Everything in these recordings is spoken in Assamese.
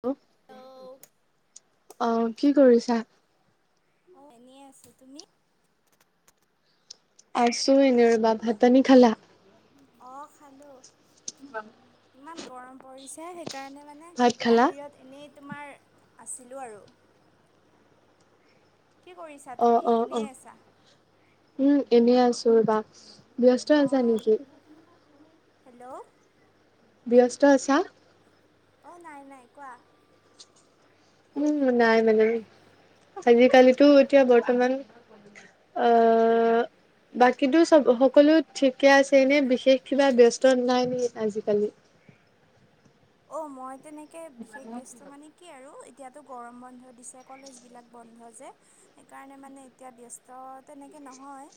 হেল্ল' অহ কি কৰিছা অ এনে আছো তুমি আছো এনে ৰ‌ ভাত পানী খালা অ খালো ইমান গৰম পৰিছে সেইকাৰণে মানে ভাত খালা বাহিৰত এনেই তোমাৰ আছিলোঁ আৰু কি কৰিছা অ তুমি অ অ এনেই আছা উম এনেই আছো ৰ বা ব্যস্ত আছা অঁ নেকি হেল্ল' ব্যস্ত আছা অ নাই নাই কোৱা উম নাই মানে আজিকালিতো এতিয়া বৰ্তমান আহ বাকীতো চব সকলো ঠিকে আছে এনে বিশেষ কিবা ব্যস্ত নাই নেক আজিকালি [inaudible] অ মই তেনেকে বিশেষ ব ব্যস্ত মানে কি আৰু এতিয়াতো গৰম বন্ধ দিছে কলেজবিলাক বন্ধ যে সেইকাৰণে মানে এতিয়া ব্যস্ত তেনেক নহয়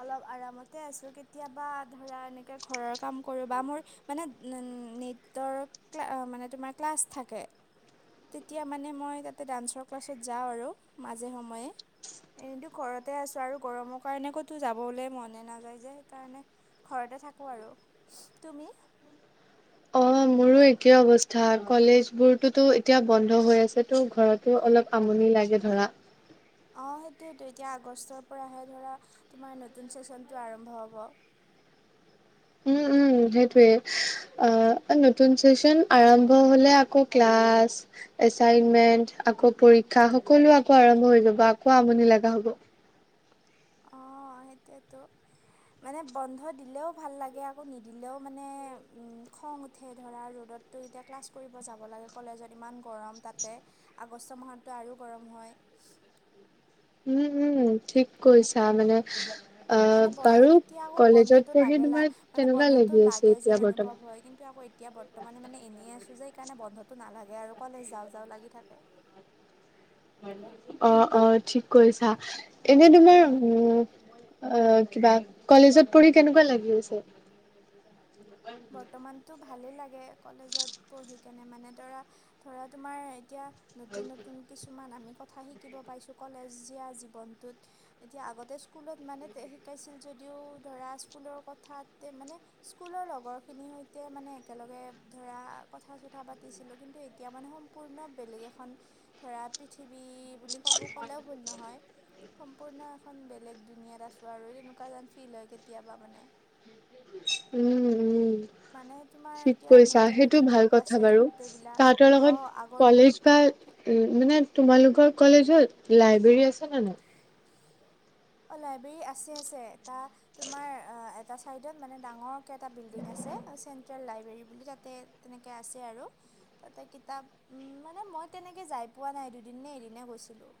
অলপ আৰামতে আছো কেতিয়াবা ধৰা এনেকে ঘৰৰ কাম কৰো বা মোৰ মানে নৃত্যৰ মানে তোমাৰ ক্লাছ থাকে তেতিয়া মানে মই তাতে ডান্সৰ ক্লাছত যাওঁ আৰু মাজে সময়ে এইটো ঘৰতে আছো আৰু গৰমৰ কাৰণে কতো যাবলে মনে নাযায় যে সেইকাৰণে [unintelligible] ঘৰতে থাকো আৰু তুমি অ অ মোৰো একেই অৱস্থা কলেজ বোৰতোতো এতিয়া বন্ধ হৈ আছে তো ঘৰতো অলপ কাম [unintelligible] লাগে ধৰা সেইটোয়েটো এতিয়া আগষ্টৰ পৰাহে ধৰা তোমাৰ নতুন চেচনটো আৰম্ভ হব [unintelligible] উম, উম সেইটোয়ে অ নতুন চেচন আৰম্ভ হলে আকৌ ক্লাছ এচাইনমেন্ট আকৌ পৰীক্ষা সকলো আকৌ আৰম্ভ হৈ যাব আকৌ আমনি লগা হব অঁ [inaudible] সেইটোৱেতো মানে বন্ধ দিলেও ভাল লাগে আকৌ নিদিলেও মানে উম খং উঠে ধৰা ৰ'দত [unintelligible] ৰদত এতিয়া ক্লাছ কৰিব যাব লাগে কলেজত ইমান গৰম পতাতে আগষ্ট মাহতটো আৰু গৰম হয় [unintelligible] [inaudible] উম উম ঠিক কৈছা মানে আ, মানে ব বাৰু তেতিয়া আকৌ কলেজত বন্ধতটো পঢ়ি লাগে লা তোমাৰ মানে কেনেকুৱা বন্ধতটো লাগি আছে লাগে এতিয়া যেন বৰ্তমান? অনুভৱ হয় কিন্তু আকৌ [unintelligible] এতিয়া বৰ্তমানে মানে এনেই আছো যে কাণে বন্ধতটো নালাগে আৰু কলেজ যাওঁ যাও লাগি থাকে অ অ ঠিক কৈছা এনে তোমাৰ উম উ অ কিবা কলেজত পঢ়ি কেনেকুৱা লাগি আছে বৰ্তমানতো ভালেই লাগে কলেজত পঢ়ি কেনে মানে ধৰা ধৰা তোমাৰ এতিয়া নতুন নতুন কিছুমান আমি কথা শিকিব পাইছো কলেজীয়া জীৱনটোত এতিয়া আগতে স্কুলত মানে শিকাইছিল য [unintelligible] যদিও ধৰা স্কুলৰ কথাতে মানে স্কুলৰ লগৰ খিনিৰ সৈতে মানে একেলগে ধৰা কথা চথা পাতিছিলো কিন্তু এতিয়া মানে সম্পূৰ্ণ বেলেগ এখন ধৰা পৃথিৱী বুলি ক'ব ক'লেও ভুল নহয় সম্পূৰ্ণ এখন বেলেগ দুুনিয়াত আছো আৰু তেনেকুৱা যেন ফিল হয় কেতিয়াবা মানে উম উম মানে তোমাৰ ঠিক এতিয়া কৰিছা নতুন সেইটো নতুন ভাল লগ আছে কথা বাৰু গোটেইবিলাক তাহাতৰ অঁ লগত আগৰ কলেজ বা কি উ মানে তোমালোকৰ কলেজত লাইব্ৰেৰী আছে নে নাই অ লাইব্ৰেৰী ৰ আছে আছে এ তুমাৰ এটা চাইডত মানে ডাঙৰকে এটা বিল্ডিং আছে আছে চেনট্টেল লাইব্ৰেৰী বুলি তাতে তেনেকে আছে আৰু তাতে কিতাপ মানে মই মই তেনেকে যাই পোৱা নাই দুদিননে এদিনে গৈছিলোঁ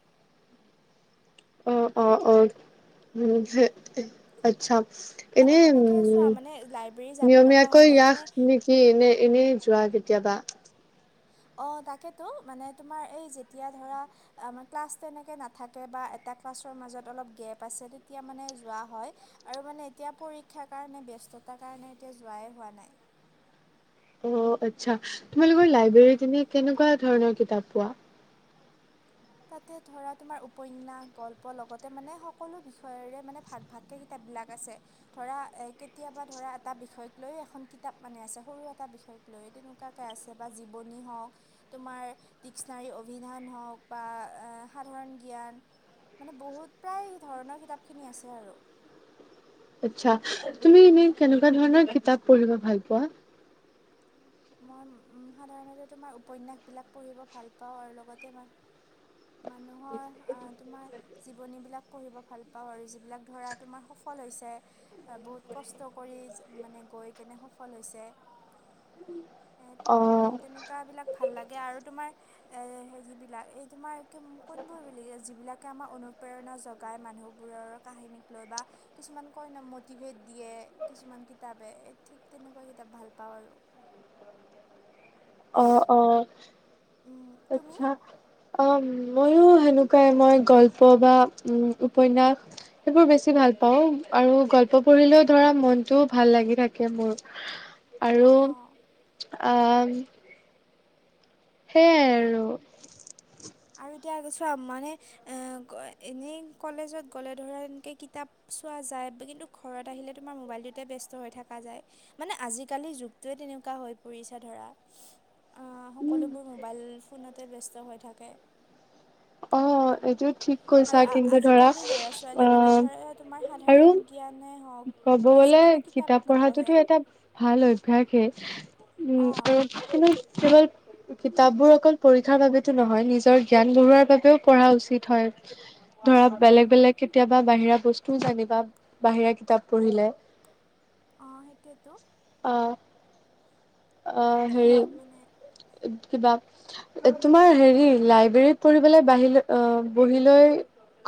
[inaudible] অ'! অ'! অ'! উম, আচ্ছা! মানে এনে, তেনেকৈ চোৱা উম মানে লাইব্ৰেৰী যাব লগা নিয়মীয়াকৈ হ'লেও মানে নেকি, এনে, এনেই যোৱা কেতিয়াবা? অ'! তাকেইতো, তোমাৰ এই যেতিয়া ধৰা, ক্লাছ তেনেকে নাথাকে বা এটা ক্লাছৰ মাজত অলপ, গেপ আছে। তেতিয়া মানে যোৱা হয় আৰু মানে, এতিয়া পৰীক্ষাৰ কাৰণে ব্যস্ততাৰ কাৰণে, এতিয়া যোৱাই হোৱা নাই। [unintelligible] অ'! আচ্ছা, তোমালোকৰ উম লাইব্ৰেৰীত এনে, কেনেকুৱা ধৰণৰ কিতাপ পোৱা? তাতে, ধৰা তোমাৰ উপন্যাস, গল্প লগতে মানে, সকলো বিষয়ৰে মানে, ভাগ, ভাগকে বিলাক আছে। ধৰা এ, কেতিয়াবা ধৰা, এটা বিষয়ক লৈ এখন কিতাপ মানে আছে। সৰু এটা বিষয় লৈ তেনেকুৱাকে আছে বা জীৱনী হওঁক, তোমাৰ ডিক্সনাৰী, অভিধান হওঁক বা সাধাৰণ জ্ঞান মানে, বহুত প্ৰায়, ধৰণৰ কিতাপখিনি আছে আৰু। আচ্ছা! তুমি এনে, কেনেকুৱা ধৰণৰ কিতাপ পঢ়িব ভাল পোৱা? মই সাধাৰণতে, তোমাৰ উপন্যাসবিলাক পঢ়িব ভাল পাওঁ আৰু লগতে মই মানুহৰ আঁ তোমাৰ, জীৱনী বিলাক পঢ়িব ভাল পাওঁ আৰু যিবিলাক ধৰা তোমাৰ সফল হৈছে। বহুত কষ্ট কৰি মানে, গৈ কেনে সফল হৈছে। অ'! উম, তেনেকুৱা বিলাক ভাল লাগে আৰু। তোমাৰ এ হেৰি বিলাক, এই তোমাৰ কোনবোৰ বুলি যিবিলাকে আমাৰ অনুপ্ৰেৰণা জগাই। মানুহবোৰৰ কাহিনীক লৈ বা কিছুমান কৈ ন' মতিভেত দিয়ে কিছুমান কিতাপে। এ, ঠিক তেনেকুৱা কিতাপ ভাল পাওঁ আৰু। [unintelligible] অ'! অ'! তুমি আচ্ছা! অ'! মইয়ো সেনেকুৱাই। মই গল্প বা উ, উপন্যাস সেইবোৰ বেছি ভাল পাওঁ। পাওঁ আৰু গল্প পঢ়িলেও ধৰা, মনটো ভাল লাগি থাকে মোৰ। আৰু অঁ আঁ সেইয়াই আৰু। আৰু এতিয়া চোৱা মানে, এ, এনেই কলেজত গ'লে ধৰা, একে কিতাপ চোৱা যায়। কিন্তু, ঘৰত আহিলে তোমাৰ মোবাইলটোতে ব্যস্ত হৈ থকা যায়। মানে, আজিকালিৰ যুগটোৱে এনেকুৱা হৈ পৰিছে ধৰা। অ'! সকলোবোৰ মোবাইল ফোনতে ব্যস্ত হৈ থাকে। অ'! এইটোত। আৰু আজিকালি ল'ৰা ছোৱালী মানে, আহ ধৰা তোমাৰ আৰু সাধাৰণ জ্ঞানে হওঁক, ক'ব গ'লে, কিতাপ পঢ়াটোতো এটা ভাল অভ্যাসেই। উম, অঁ কিন্তু কেৱল কিতাপ বোৰ অকল পৰীক্ষাৰ বাবেতো নহয়। নিজৰ জ্ঞান বঢ়োৱাৰ বাবেও পঢ়া উচিত হয়। ধৰা, বেলেগ উম, বেলেগ কেতিয়াবা বাহিৰা বস্তু জানিবা। বাহিৰা কিতাপ পঢ়িলে। অ'! সেইটোৱেটো। অ'! অ'! এতিয়া হেৰি মানে কি কিবা তোমাৰ হেৰি, লাইব্ৰেৰীত পঢ়িবলৈ বাহিলৈ বহি লৈ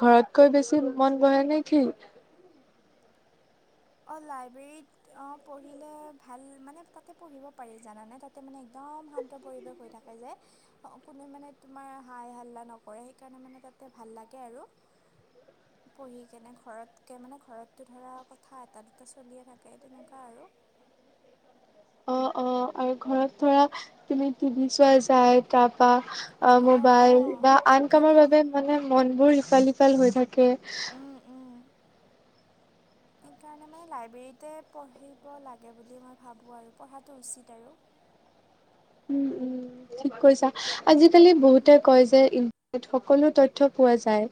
ঘৰতকৈ বেছি মন বহে নেকি? অ'! লাইব্ৰেৰীত, অ'! পঢ়িলে ভাল মানে, তাতে পঢ়িব পাৰি জানানে? তাতে, মানে একদম দম শান্ত পৰিৱেশ হৈ থাকে যে। কোনে মানে, তোমাৰ হাই হাল্লা নকৰে। সেইকাৰণে মানে, তাত তাতে ভাল লাগে আৰু। [inaudible] পঢ়ি কেনে, ঘৰতকে মানে, ঘৰতটো ধৰা থা এটা, দুটা, চলিয়ে থাকে, তেনেকুৱা আৰু। অ'! অ'! আৰু ঘৰত ধৰা, তুমি টিভি চোৱা যায়। তাৰপা অ'! অঁ মোবাইল অঁ বা আন কামৰ সেইটোৱেতো বাবে মানে, মনবোৰ ইফাল সিফাল হৈ থাকে। উম উম। সেইকাৰণে মানে লাইব্ৰেৰীতে পঢ়িব লাগে বুলি মই ভাবোঁ আৰু পঢ়াটো উচিত আৰু। উম উম ঠিক কৈছা আজিকালি বহুতে উম। কয় যে ইন সকলো তথ্য পোৱা যায়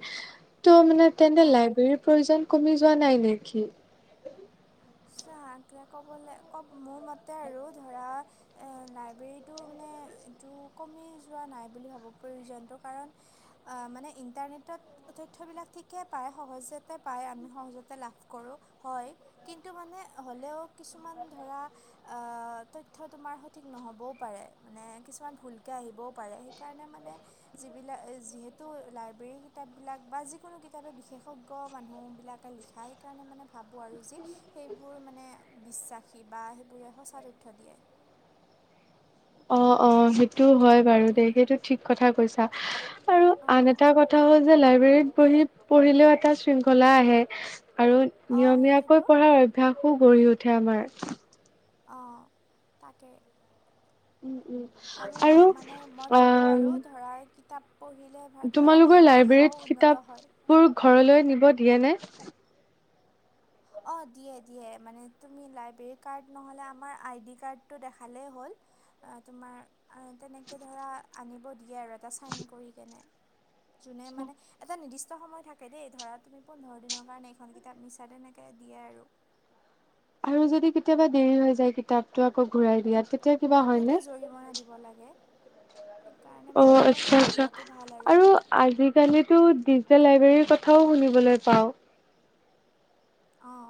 ত' মানে তেন্তে অঁ লাইব্ৰেৰীৰ প্ৰয়োজন কমি যোৱা নাই। নেকি। চাহে কবলে ক মোৰ মতে আৰু ধৰা এ লাইব্ৰেৰীতটো মানে। এইটো কমি যোৱা নাই বুলি ভাবো প্ৰয়োজন কাৰণ মানে ইণ্টাৰনেটত। তইথ বিলাক ঠিকে প সহজতে প আমি সহজতে লাভ কৰো হয়। কিন্তু মানে হ'লেও কিছুমান ধৰা আহ তথটো তোমাৰ সঠিক নহ'বও পাৰে। মানে কিছুমান ভুলকৈ আহিবও পাৰে সেইকাৰণে মানে যিলাক যিহেতু লাইব্ৰেৰী। কিতাপ বিলাক বা যিকোনো কিতাপে বিশেষজ্ঞ মানুহ বিলাকে লিখা সেইকাৰণে মানে ভাবো আৰু যি। সেইবোৰ মানে বিশ্বাসী বা সেইবোৰে সঁচা তথ্য দিয়ে। অ অ সেইটো হয় বাৰু দে উম। সেইটো ঠিক কথা কৈছা। আৰু আন এটা অ', কথা হ'ল যে লাইব্ৰেৰীত বহি পঢ়িলেও এটা শৃংখলা আহে। আৰু অ', সেইটোৱেতো নিয়মীয়াকৈ পঢ়াৰ অভ্যসো গঢ়ি উঠে আমাৰ। অ তাকে। উম। আৰু মানে মই ভাবো আৰু ধৰা কিতাপ। পঢ়িলে ভা- ধৰা তোমালোকৰ ভাষাও লাইব্ৰেৰীত উন্নত হয়। কিতাপবোৰ ঘৰলৈ নিব দিয়ে নে। অ দিয়ে দিয়ে মানে তুমি লাইব্ৰেৰী কাৰ্ড নহলে আমাৰ আইডি কাৰ্ডটো দেখালেই হ'ল। আ তোমাৰ আ তেনেকে ধৰা আনিব দিয়ে আৰু এটা চাইন কৰি কেনে যোনে মানে এটা নিৰ্দিষ্ট সময় থাকে দেই ধৰা তুমি পোন্ধৰ দিনৰ কাৰণে এইখন কিতাপ নিচা তেনে। দিয়ে আৰু। আৰু যদি কেতিয়াবা দেৰি হৈ যায় কিতাপটো আকৌ ঘূৰাই দিয়াত তেতিয়া। কিবা হয়নে? তেতিয়া জৰিমনা দিব লাগে। সেইকাৰণে অ মানে আচ্ছা সময়মতে আচ্ছা দিয়াটো ভাল আৰু আজিকালিতো ডিজিটেল লাইব্ৰেৰী কথাও শুনিবলৈ পাওঁ। অহ।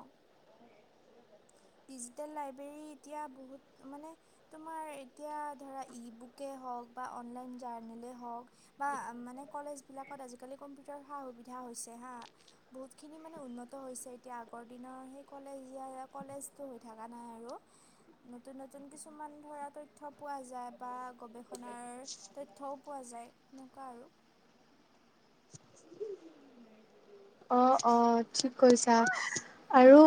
ডিজিটেল লাইবেৰি এতিয়া বহুত মানে তোমাৰ এতিয়া ধৰা ইবুকে বা অনলাইন জাৰ্নিলে হওক বা মানে কলেজ বিলাকত আজিকালি কম্পিউটাৰ সা সুবিধা। হৈছে হা বহুত খিনি মানে উন্নত হৈছে এতিয়া আগৰ দিনৰ সেই কলেজীয়া কলেজ। টো হৈ থাকা নাই আৰু। নতুন নতুন কিছুমান ধৰা তথ্য পোৱা যায় বা গৱেষণাৰ তথ্যও পোৱা যায়। যায় তেনেকুৱা আৰু। [unintelligible] অ অঁ ঠিক কৈছা আৰু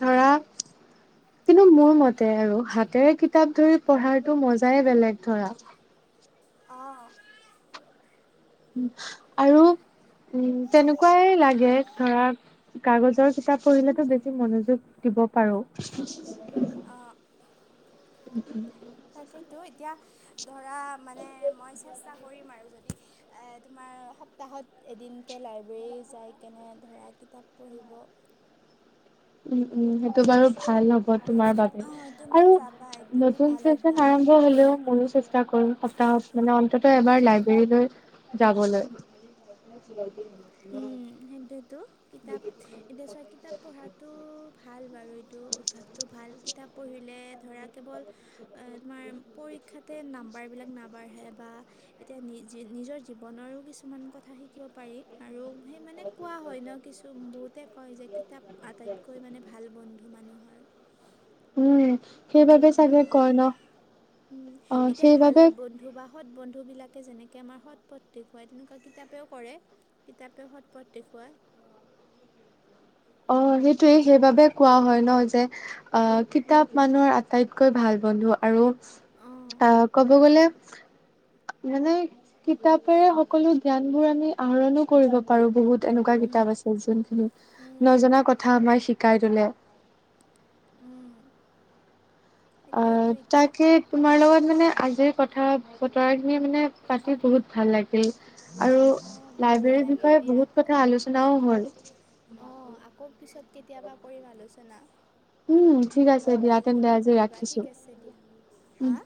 ধৰা। কিন্তু মোৰ মতে আৰু হাতেৰে কিতাপ ধৰি পঢ়াটো মজাই বেলেগ ধৰা। অঁ আৰু উম তেনেকুৱাই লাগে ধৰা। কাগজৰ কিতাপ পঢ়িলেতো বেছি মনোযোগ দিব পাৰো। আহ, তাকেইতো এতিয়া ধৰা মানে মই চেষ্ট টা কৰিম আৰু যদি এ তোমাৰ সপ্তাহত এদিনকে লাইব্ৰেৰী যাই কেনে ধৰা বা কিতাপ পঢ়িব। উ। [inaudible] উম উম, সেইটো বাৰু ভাল হব তোমাৰ বাবে অঁ তুমিও আৰু যাবা এইটোতো নতুন ভাল চেচন অভ্যাস আৰম্ভ হলেও মোৰো চেষ্টা কৰিম সপ্তাহত মানে তাতে এবাৰ লাইব্ৰেৰীলৈ যাবলৈ। উম সেইটোয়েতো, কিতাপ এতিয়া চোৱা কিতাপ পঢ়াতো ভাল বাৰু এইটো অভ্যাসটো ভাল কিতাপ পঢ়ি এ ধৰা কেৱল, এ তোমাৰ পৰীক্ষাতে নাম্বাৰবিলাক নাবাঢ়ে। বা এতিয়া নিজে নিজৰ জীৱনৰো কিছুমান কথা শিকিব পাৰি আৰু সেই মানে কোৱা হয় ন কিছু বহুতে কয় যে কিতাপ আটাইতকৈ মানে ভাল বন্ধু মানুহৰ। উম। সেইবাবে তেনেকোৱা চাগে আৰু কয় ন উম অ এতিয়া ভাল সেইবাবে বন্ধু বা বা সৎ বন্ধুবিলাকে যেনেকে আমাৰ সৎ পথ দেখুৱায় তেনেকোৱা কিতাপেও কৰে। কিতাপে সৎ পথ দেখুৱায় [unintelligible] অ সেইটোৱে সেইবাবে কোৱা হয় ন যে অ কিতাপ মানুহৰ আটাইতকৈ ভাল বন্ধু আৰু অ', অহ ক'ব গ'লে মানে কিতাপেৰে সকলো জ্ঞান বোৰ আমি আহৰণো কৰিব পাৰো বহুত এনেকোৱা উম। কিতাপ আছে যোনখিনি উম টা কথা আমাৰ শিকাই থলে উম অ সেইটোয়েতো এতিয়া তাকে তোমাৰ লগত মানে আজিৰ কথা- বতৰাখিনি মানে পাতি বহুত ভাল লাগিল। আৰু অ' মোৰো ভাল লাইব্ৰেৰীৰ লাগিল বিষয়ে দিয়া বহুত কথা আলোচনাও হ'ল। অ আকৌ পিছত কেতিয়াবা কৰিম আলোচনা। উম ঠিক আছে সময় দিয়া পালে তেন্তে ফোন আজি কৰিবা ৰাখিছো। ঠিক আছে দিয়া হা! উম।